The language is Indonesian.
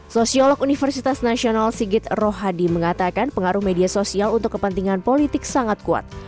sosiolog universitas nasional sigit rohadi mengatakan pengaruh media sosial untuk kepentingan politik sangat kuat